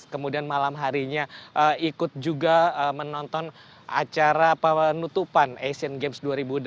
kemudian malam harinya ikut juga menonton acara penutupan asian games dua ribu delapan belas